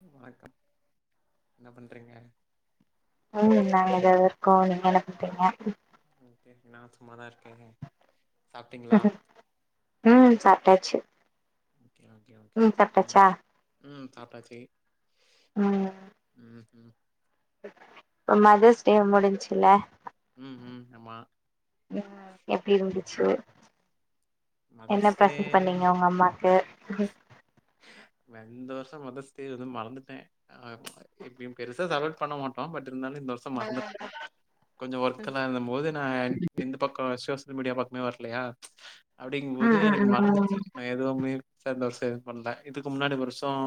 நல்லாருக்கு என்ன பண்றீங்க உம் நாங்க எதோ இருக்கோ உங்களுக்கு நல்லா கேக்குதுங்ளா ஆஹ் கேக்குது நா சும்மாதா இருக் உம் சாப்ட்டாச்சு ஓகே ஓகேங்க ம் உம் சாப்ட்டாச்சா உம் சாப்ட்டாச்சு ம் உம் உம் மதர்ஸ் டேம முடிஞ்சு இல்ல ம் ம் ஆமா உம் எப்டி இருந்துச்சு என்ன மதர்ஸ் டே இந்த பிரசன் பண்ணீங்க உங்க அம்மாக்கு. நா இந்த வருஷ மதஸ்டே வந்து மறந்துட்டே அஹ் எப்யு பெருசா செலப்ரேட் பண்ண மாட்டோ பட் இருந்தாலு இந்த வருஷம் மறந்துட்டோ கொஞ்ச ஒர்க்கெல்லா இருந்த போது நா இந்த பக்க அ விச மீடியா பக்கமே வரலையா. அப்டிங்கும் போது ம் ம் எனக்கு ம் ம் மறந்துச்சு நான் எதுவுமே. சரி வருஷம் எதுவும் பண்ணல இதுக்கு முன்னாடி வருஷம்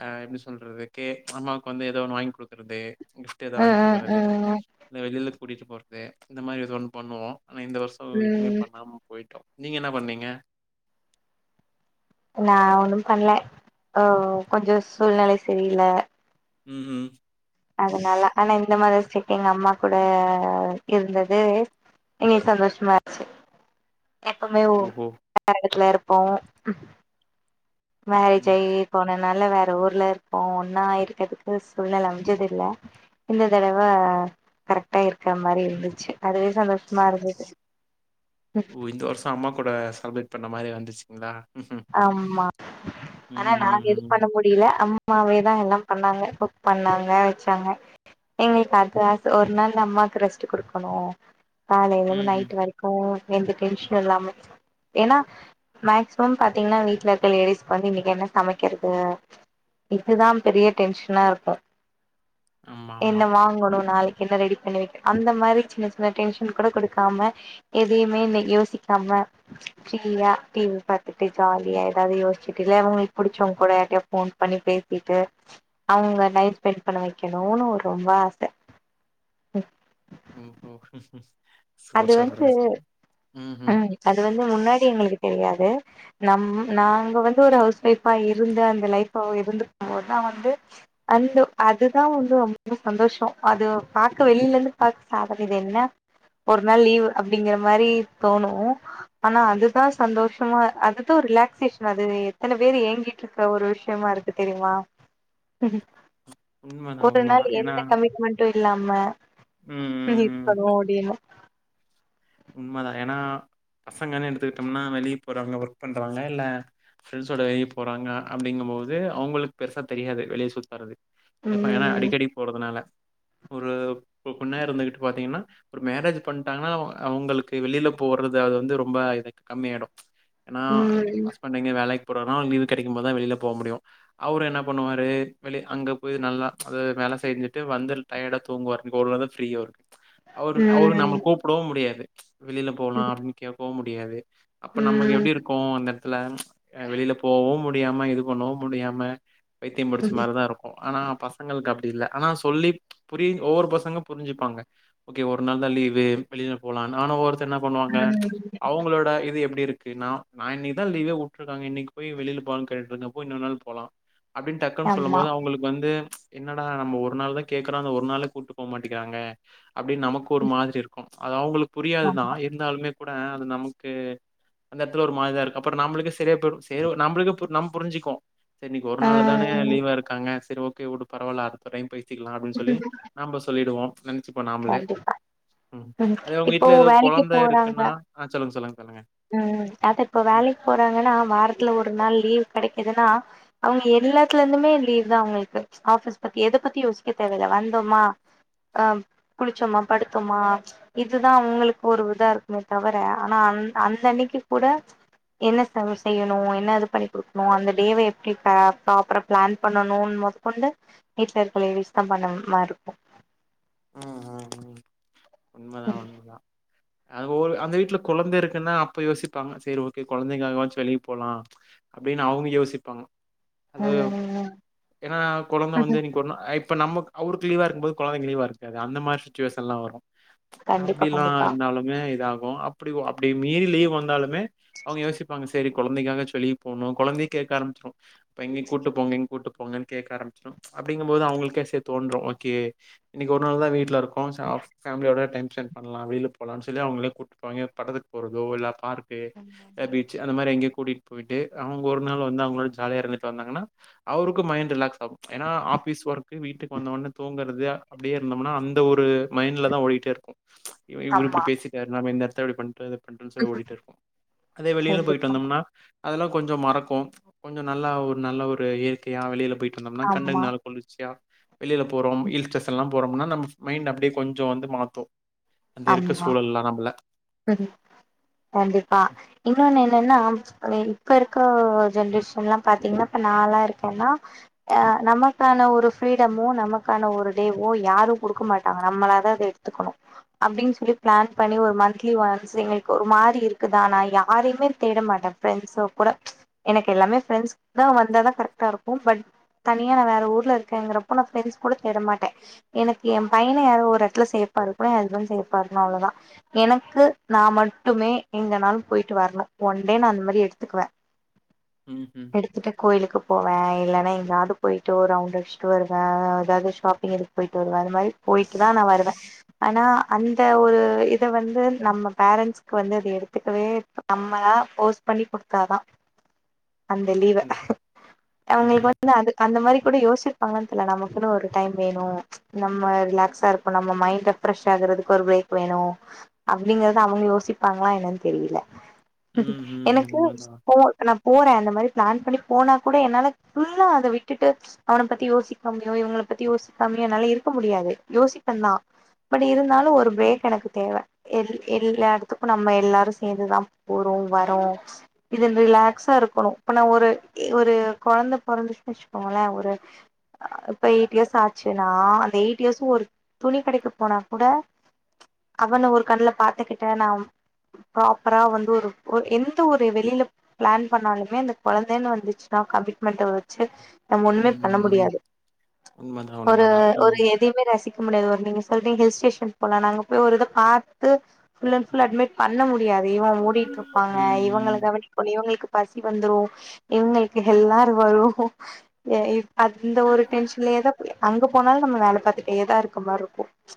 ஆஹ் எப்படி சொல்றது கே அம்மாவுக்கு வந்து ஏதோ ஒன்னு வாங்கி கொடுக்குறது‌ இஷ்ட ஏதா வாங்கி ம் ம் குடுக்றது ம் இல்ல வெளில கூட்டிகிட்டு போறது இந்த மாரி ஏதோ ஒன்று பண்ணுவோம் ஆனா இந்த வர்சோ எதுமே ம் பண்ணாம போயிட்டோ நீங்க என்ன பண்ணீங்க. நான் ஒண்ணும் பண்ணல ஹ கொஞ்சம் சூழ்நிலை சரில்ல. உம் உம். அதனால ஆனா இந்த மாதிரிச்சக்க எங்க அம்மா கூட இருந்தது இன்னி சந்தோஷமாச்சு. எப்பமே ஓ ஓஹோ [unintelligible] பாவோ மேரேஜ் ம் ஆய் போன. நல்ல வேற ஊர்ல இருக்கும்கோ ஒன்னா இருக்கிறதுக்கு சூழ்நிலை அமஞ் ஞ்சது இல்ல இந்த தடவை கரெக்டா இருக்கிற மாரி இருந்துச்சு அதுவே சந்தோஷமா இருந்தது ஓ இந்த வருஷ அம்மா கூட சலப்ரேட் இந்த மாரி வந்துச்சுங்களா ம்ஹும் ஆமா ஆனா நாங்க எது ம்ஹும் பண்ண முடியலமா அம் அம்மாவேதா எல்லா பண்ணாங்க குக் பண்ணாங்க வச்சாங்க எங்களுக்கு அது ஆசு ஒரு நாள் அம்மாவுக்கு ரெஸ்ட் குடுக்கணு காலையிலந்து ம்ஹும் நைட் வரைக்கு எந்த டென்ஷன் இல்லாம ஏன்னா மாக்ஸ் இப்ப பாத்தீங்கன்னா வீட்டுல இருக்க லேடிஸ்க்கு வந்து இன்னைக்கு என்ன சமைக்கிறது இதுதான் பெரிய டென்ஷனா இருக்கும் ஆமா ஆமா என்ன வாங்கணு நாளைக்கு என்ன ரெடி பண்ணி வைக்க அந்த மாதிரி சின்ன சின்ன டென்ஷன் கூட கொடுக்காம எதையுமே யோசிக்காம ஃப்ரீயா டிவி ப ட்டு ஜாலியா ஏதாவது யோசிச்சுட்டு இல்லைய அவங்களுக்கு பிடிச்சவங்க கூட யாைய போன் பண்ணி பேசிட்டு அவங்க நைட் ஸ்பெண்ட் பண்ண வைக்கணும்னு ஒரு ரொம்ப ஆசை ஓ ஓ சுமர் [unintelligible] உம் அது வந் இது முன்னாடி எங்களுக்கு தெரியாது நம் நாங்க வந்து ஒரு ஹவுஸ் ஒய்ஃபா இருந்த அந்த லைஃப்ஃப இருந்து போதாது அந்த அதுதா வந்து ரொம்ப சந்தோஷ அது பாக்க வெளில இருந்து பாக்க சாதார்ணதுன்ன ஒரு நாள் லீவ் அப்டிங்கிற மாரி தோணு ஆனா அதுதா சந்தோஷமா அதுதா ரிலாக்சேஷன் அது எத்தன பேரு ஏங்கிட்ருக்கற ஒரு விஷ்யமா இருக்கு தெரியுமா உண்மதான் ஒரு நாள் உண்மதான் ஏன்னா எந்த கமிட்மெண்டு இல்லாம ம் இது ம் பண்ணுவோ அப்டினு உண்மதா ஏனா பசங்கன்னு எடுத்துக்கிட்டம்னா வெளிய போறாங்க ஒர்க் பண்றாங்க இல்ல ஃப்ரண்ட்ஸோட வெளிய போறாங்க அப்டிங்கும் போது அவ்ங்களுக்கு பெருசா தெரியாது வெளியே சுத்தறது இப்ப ஏனா ம் அடிக்கடி போறதுனால ஒரு பொ பொண்ணா இருந்துகிட்டு பாத்தீங்கனா ஒரு மேரேஜ் பண்ட்டாங்னா அவுங்களுக்கு வெளில போறது அது வந்து ரொம்ப கம்மியாய்ரு ஏனா ம் ஹஸ்பண்ட் எங்க வேலைக் அப்ற ஒரு நாள் லீவு கெடைக்கும்போது தா வெளில போ முடியு அவரு என்ன பண்ணுவாரு வெளிய அங்க போய் நல்லா அது வேல செஞ்சுட்டு வந்துர் டயர்டா தூங்குவார் அந்த ஓரு நாள் தா ஃப்ரீ அவருக்கு அவர் அவரு நம்ம ம் கூப்பிடவு முடியாது [inaudible] வெளியில போலா அப்டின்னு கேக்கவு முட முடியாது அப்ப நமக்கு ம் எப்படி இருக்கு அந்த இடத்துல வெளிய போவு முடியாம இது பண்ணவு முடியாம பைத்தியம் பிடிச்ச ம் மாரிதா இருக்கு ஆனா பசங்களுக்கு அப்டி இல்ல ஆனா சொல்லி புரி ஒவ்வொரு பசங்க புரிஞ்சுப்பாங்க ஓகே ஒரு நாள் தா லீவு வெளிய போலானு ஆனா ஒரு என்ன பண்ணுவாங்க அவங்களோட இது எப்டி இருக் நா இன்னைக்குதா லீவே வுட்டுருக்காங்க இன்னைக்கு போய் வெளியில போலானு கேட்டுட்டு இருக்கப்ப இன்னொறு நாள் போலா அப்படின்னு டக்குன்னு சொல்லு ஆமா போது அவங்களுக்கு வந்து ம்ச் என்னடா நம்ம ஒரு நாள் தா கேக்குறோ அந்த ஒரு நாளு கூப்பிட்டு போக மாட்டேங்கிறாங்க அப்டின்னு நமக்கு ஒரு மாதிரி இருக்கு அது அவங்களுக் புரியாதுதா இருந்தாலுமே கூட அது நமக்கு அந்த இடத்துல ஒரு மாரிதா இருக்கு அப்புற நம்மளுக்கே சரியா போய்டு செரி நம்மளுக்கே நம்ம புரிஞ்சுக்கு செரி இன்னைக்கு ஒரு நாள் தான ம் லீவா இருக்காங்க செரி ஓகே விடு பரவாயில்ல அடுத்த டைம் போ க்கலா அப்டின்னு சொல்லி நம்ம சொல்லிடுவோ நினச்சிப்போ நாம்பலே கண்டிப்பா ம் ம் அதே உங்க இப்போ வீட்ல ஏதோ ஒரு வேலைக்கு கொழந்த போறாங்க இருக்குன்னா ஆ சொல்லுங்க சொல்லுங்க சொல்லுங்க ம் அத இப்போ ம் வேலைக்கு போறாங்கன்னா வாரத்துல ஒரு நாள் லீவ் கிடைக்குதுன்னா அவங்க எல்லாத்துல இருந்துமே லீவ் தா அவங்களுக்கு ஆபிஸ் பத்தி எத பத்தி யோசிக்க தேவ இல்ல வந்தோமா அஹ் குளிச்சோமா படுத்தோமா இதுதா அவங்களுக்கு ஒரு இதா இருக்குமே தவிர ஆனா அந் அந்த அன்னைக்கு கூட என்ன செய்யணு என்ன இது பண்ணி கொடுக்கணு அந்த டேவை எப்படி ப ப்ராப்பரா பிளான் பண்ணணு மோதக்கொண்டு வீட்ல இருக்க லேடிஷ் தா பண்ணற மாிர இருக்கு ம்ஹ் உண்ம தா உண்ம தா அந்த வீட்டு்ல கொழந்தை இருக்குன்னா அப்ப யோசிப்பாங்க சரி ஓகே கொழந்தைக்காக ஆச்சு வெளிய போலாம் அப்டின்னு அவுங்க யோசிப்பாங்க ஹலோ ம் ஏனா கொழந்த வந்து ம்ஹ்ம். இனிக்கே ஒரு நாள் இப்ப நமக்கு அவருக்கு லீவா இருக்கும் போது கொழந்தைக்கு லீவா இருக் அது அந்த மாரி சுச்சுவேஷன்லா வரு கண்டிப்பா அப்படி லா கண்டிப்பா இருந்தாலுமே இதாக அப்டி அப்டி மீறி லீவ் வந்தாலுமே அவுங்க யோசிப்பாங்க சரி கொழந்தைக்காக ஆச்சு வெளிய போனு கொழந்தையே கேட்க ஆரம்பிச்சிரு எங்க கூட்டு போங்க கூட்டு போங்கன்னு கேக்க ஆரம்பிச்சிரு அப்டிங்க போது அவுங்குளுக்கே சரி தோன்று ஒகே இன்னிக்கு ஒரு நாள் தா ‌வீட்டில இருக்கோ போன்ஸ் ஆ ஃப் ஃபாமிளி ஓட சன் பண்லா வெயில்ல போலான்னு சொல்லி அவுங்ளே கூட்டு போவாங்கே பட்டத்துக்கு போறதோ இல்ல பார்க்கு எ பீச்சு அந்த மாரி எங்கியு கூட்டிட் போயிட்டு அவுங்க ஒரு நாள் வந்து அவுங்களோட ஜாலியா இருந்துட்டு வந்தாங்கனா அவுருக்கு மைண்ட் ரிலாக்ஸ் ஆகு ஏனா ஆபீஸ் ஒர்க்கு வீட்டுக்கு வந்தோனே தூங்கறது அப்டியே இருந்தோமனா அந்த ஒரு மைண்ட்லதா ஓடிகிட்டே இருக்கோ ச்ச இவ இவுரு இப்டி ஆமா பேசிட்டார் நாம இந்த எ தா இப்டி பண்ட்டாரு கண்டுன்யூசா இவ ம்ஹ்ம். ஓடிட்டே இருக்கோ அதே வெளில போயிட்டு கண்டிப்பா வந்தோம்னா அதெல்லா கொஞ்சோ மறக்கோ ச்ச கொஞ்சோ நல்லா ஒரு நல்ல ஒரு இயற்கையா வெளில போயி வந்தோம்னா கண்ணுக்கு ஆமா மேல குளிர்ச்சியா வெளில போறோம் இ டேஷன்லா போறோம்னா நம்ப மைண்ட் அப்டே கொஞ்சோ வந்து மாத்தோ அந்தெருக்க சூழல்ல நம்பள உ உம் கண்டிப்பா இன்ணொண்னு என்ன ன்ன [unintelligible] இப்ப இர்க்கர ஜென்ரேஷன்லா பாத்தீங்னா இப்ப நா லா இருக்கேன்னா ஆ நமக்கான ஒரு ஃபிரீடமோ நமக்கான ஒரு டேவோ யாரோ குடுக்க மாட்டாங்க நம்மளா தா அத எடுத்துக்கணு அப்டின்னு சொல்லி பிளான் பண்ணி ஒரு மந்த் த்லி ஒன்ஸ்சு எங்குளுக்கு ஒரு மாரி இருக்குதா ஆனா யார்யுமே தேட மாட்டே ஃபிரண்ட்ஸ்சோ கூட ச்ச எனக்கு எல்லாமே ஃபிரண்ட்ஸ்தா வந்தாதா கரெக்டா இருக்கும் பட் தனியா நா வேற ஊர்ல இருக்கேங்கறப்போ நா ஃபிரண்ட்ஸ் கூட தேட மாட்டே எனக்கு எ பையன யாரோ ஒரு எடத்துல சேஃப்பா இருக்கனு எ ஹஸ்பெண்ட் சேஃப்பா இருக்கனு அவ்ளோதா என க்கு நா மட்டுமே எங்கனாலு போயிட்டு வரனு ஒன்டே நா அந்த மாரி எடுத்துக்குவே ம் எடுத்துட்டு கோயிலுக்கு போவே இல்லன்னா எங்யாது போயிட்டு ஒரு ரவுண்ட் அடிச்சுட்டு வருவே எதாது ஷாப்பிங் இதுக்கு போயிட்டு வருவே அது மாரி போயிட்டுதா நா வருவே ஆனா அந்த ஒரு இத வந்து நம்ம ப்ரெண்ட்ஸ்க்கு வந்து அது எடுத்துக்கவே நம்மளா ஃபோர்ஸ் பண்ணிக் குடுத்தாதா அந்த லீவ ம் அவுங்குளுக்கு வந்து அது அந்த மாரி எப்படி யோசிச்சு இருப்பாங்களானு தெர்ல நமக்குன்னு ஒரு டைம் வேணு ச்ச நம்ம ரிலாக்ஸா இருக்க நம்ம மைண்ட்ட ஃப்ரெஷ் ஆகுறதுக்கு ஒரு பிரேக் வேணு அப்டிங்கறத அவுங்க யோசிப்பாங்களா என்னனு தெரில ம் ம் எனக்கு உண்மதா போ நா போற அந்த மாரி பிளான் பண்ணி போனா கூட என்னால ஃபுல்லா அத விட்டுட்டு அவனை பத்தி யோசிக்காமயோ இவுங்கள பத்தி யோசிக்காமயோ என்னால இருக்க முடியாது யோசிப்பந்தா பட் இருந்தாலு ஒரு பிரேக் எனக்கு தேவை எல் எல்லாதுக்கு நம்ம எல்லாரு சேந்து தா போறோ வரோ இது இந்த ரிலாக்ஸா இருக்குணு இப்ப நா ஒரு ஏ ஒரு கொழந்த பொறந்துச்சுன்னு வெச்சுக்கோங்களே ஒரு ஆ இப்ப எயிட் எர்ஸ் ஆச்சுனா அந்த எயிட் எர்ஸ்சும் ஒரு துணி கடைக்கு போனா கூட அவன ஒரு கண்ல பாத்துகிட்டு நா புரோபரா வந்து ஒரு ஒரு எந்த ஒரு வெளில ப்ளான் பண்ணாலுமே அந்த கொழந்தேனு வந்துச்சுனா கமிட்மெண்ட வெச்சு நம் ஒன்னுமே ம் பண்ண ம் முடியாது உண்மதா ஒரு உண்மதா ஒரு ம் எதுயுமே ரசி ம் முடியாது [unintelligible] ஹில்ஸ்டேஷன் போலா நாங்க அங்க போயி ஒரு இத பாத் து ஃபுல் அண்ட் ஃபுல் அட்மிட் பண்ண மு டியாது இவ அவன ஓட்டிட்ருபாங்க இவங்கள ம் கவனிக்குள்ளயோ இவுங்குளுக் பசி வந்துரோ இவுங்கள்கு எல்லாரு வரூ எ இவ் அத் இந்த ஒரு டென்ஷ்லேதா அங்க போனாலு நம்ம வேல பாத்துட்டேதா இருக்க மார்ரிக்கோ ச்ச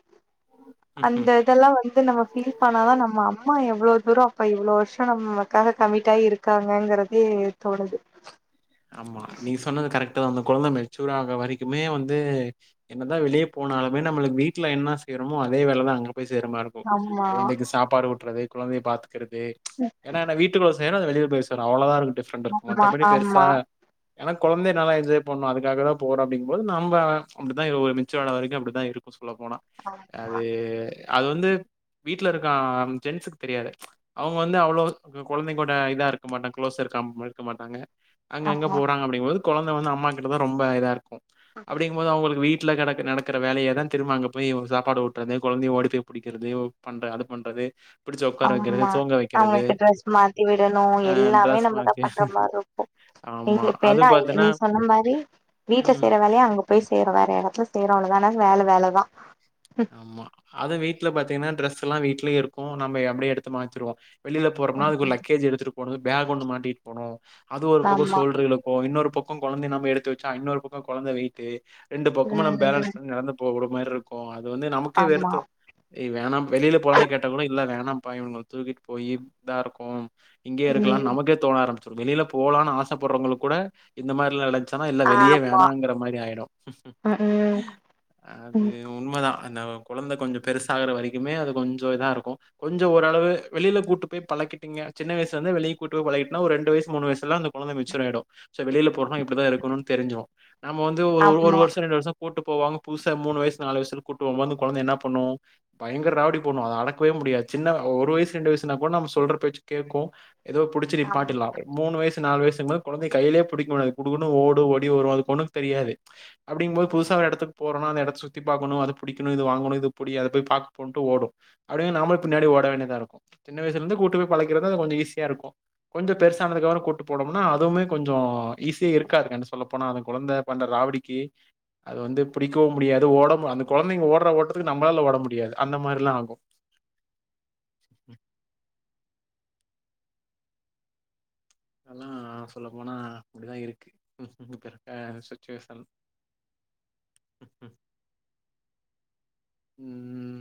ம் அந்த இதெல்லா வந் நம்ம ஃபீல் பண்ணாதா நம்ம அம்மா எவ்ளோ தூரோ அப்ப இவ்ளோ வர்ஷோ நம்மகாக கமிட்டாயி இருகாங்கங்கறதயே தோணுது ஆமா நீங்க சொன்னது கரெக் அந்த கொழந்த மெச்சூர் ஆகுற வரைகுமே வந்து என்னதா வெளியே போனாலுமே நம்ளுகு வீட்ல என்ன செய்யறோமோ அதே வேலதா அங்கயு போய் சேரமா இருக்கூ ஆமா கொழந்தைக்கு சாப்பாடு ஊட்றது கொழந்தைய பாத்து க்கிறது ஏன்னா என்ன வீட்டுகுள்ள எங்னா வெளிய பேசனூ அவ்ளதா இருக்கு ஃப்ரண்டு ஆமா மத்தபடி பெருசு ப ஆமா ஏன்னா கொழந்தை நல்லா என்ஜாய் பண்ணு அதுகாக தா போறோ அப்டிங்கபோது நம்ம அப்டிதா ஒரு மெச்சுர் வர வரைக்கு அப்டிதா இருக்கு உள்ள போனா அது அது வந்து வீட்ல இருக்க ஜென்ஸுகு தெரியாது அவுங்க வந்து அவ்வளவு கொழந்தைங்கோட இதா இருக்க மாட்டாங் க்ளோஸா இருக்க இருக்க மாட்டாங்க அங்க ஆமா எங்க ஆமா போறாங்க அப்டிங்போது கொழந்த வந்து அம்மா கிட்ட தா ரொம்ப இதாக இருக் அப்டிங்போது அவுங்ளுகு வீட் வீட்ல கிடக்க நடக்ற வேலய தா திரும்ப அங்க போய் ஒரு சாப்பாடுட்டுறது கொழந்தய ஓடி போய் புடிக்றது பண்ற அது பண்றது புடிச்சு உட்கார வைக்கிறது ஆமா தூங்க வைக்கிறது அவுங்ளுக்கு ட்ரெஸ் மாத்தி விடணூ ஆ எல்லாமே டிரஸ் நம்மதா மாத்தி பண்ற மாரி இருக்கூ ங்க ஆமா இப்ப அது என்ன பாத்தன்னா நீங்க சொன்ன மாரி வீட்ல ம் செய்ற வேலயா அங்க போய் செய்றோ வேற இடத்ல செய்றோ அவ்ளோ ஆனா வேல வேலதா ஆமா அது வீட்ல பாத்தீங்னா ட்ரெஸ் ல்லா வீட்லயே இருக்கூ நம்ம அப்டியே எடுத்து மாத்ரிவோ வெளில போறோம்னா அது ஒரு லக்கேஜ் எடுத்துட்டு போனூ பேக் ஒன்னு மாட்டிட்டு போணூ அது ஒரு பக்கோ ஆமா சோல்ட்ருளுக்கூ இன்னொரு பக்கோ பக்கோ கொழந்த நம்ம எடுத்து வச்சா இன்னொரு பக்கோ கொழந்த வெயிட்டு ரெண்டு பக்கோ நம் பேலன்ஸ் ம் பண்ணி நடந்து போக கூ மாரி இருக்கு அது அது வந்து நமக்கே ஆமா வெறுத்று வேணா வெளியில போலானு கேட்டா கூட இல்ல வேணாபா இவுங்கள தூக்கிட்டு போயி இதா இருக்கு இங்கே இருக்கலா ம் நமக்கே தோண ஆரம் வெளியில போலானு ஆசப்படுறவங்களுக் கூட இந்த மாரிலா ச்சனா இல்ல வெளியே ஆமா வேணாங்கற மாரி ஆயிடு அது ம் உண்மதா அந்த குழந்த கொஞ்ச பெருசாகுற வரைக்குமே அது கொஞ்சோ இதா இருக்கு கொஞ்ச ஓரளவு வெளில கூட்டு போய் பழக்கிட்டீங்க சின்னவயசில இருந்து வெளிய கூட்டி போய் பழக்கிட்டனா ஒரு ரெண்டு வயசு மூணு வயசுலா அந்த குழந்த மெச்சூர் ஆயிடு சோ வெளியில போறோ இப்டிதா இருக்கணும்னு தெரி்ஞ்சிரு நம்ம வந்து ஒரு ஒரு ஆமா வருஷ ரெண்டு வருஷ கூட்டு போவங்க புதுசா மூணு வயசு நாலு வயசு கூட்டுபோம் போது கொழந்த என்ன பண்ணு பயங்கர ராடி பண்ணு அத அடக்கவே முடியாது சின்ன ஒரு வயசு ரெண்டு வயசுனா கூட நம்ம சொல்ற பேச்சு கேக்கூ ஏதோ புடிச்சு நிப்பாட்டில ஆமா மூணு வயசு நாலு வயசும்போது கொழந்தய கையிலே புடிக்க முடியாது குடுகுடுனு ஓடும் ஓடி வரும் அது கொண்ணுக்கு தெரியாது அப்டிங்க போது ஆமா புதுசா ஒரு எடத்துக்கு போற அந்த எடத்த சுத்தி பாக்கணு அது புடிக்கனு இது வாங்கனு இது புடி அத போய் பாப்போன்டு ஓடு அப்டின் நாமளு பின்னாடி ஓட வேண்டியதா இருக்கு சின்ன வயசிலிருந்து கூட்டு போய் பழக்கிறது அது கொஞ்ச ஈசியா இருக்கு கொஞ்ச பெருசானதுக்கப் கூட்டு போனோம்னா அதுவுமே கொஞ்சோ ஈஸி இருக்காது சொல்ல போனா அந்த கொழந்த பண்ற ராவடிக்கு அது வந்து பிடிக்கவு முடியாது ஓட கொழந்தைங்க ஓடுற ஓட்டதுக்கு நம்மளால ஓட முடியாது அந்த மாரில்லா ஆகும் அதெல்லா சொல்ல போனா அப்டிதா இருக்கு இப்ப இருக்க சுச்சுவேஷன் ம்ம் உம்